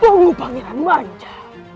tunggu panggilan manja